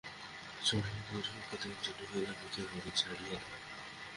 চরণে ধরি ও কৃতাঞ্জলি হইয়া ভিক্ষা করি ছাড়িয়া দাও।